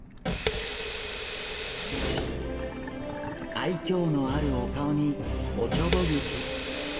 愛嬌のあるお顔におちょぼ口。